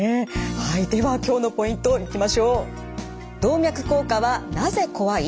はいでは今日のポイントいきましょう。